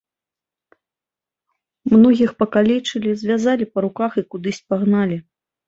Многіх пакалечылі, звязалі па руках і кудысь пагналі.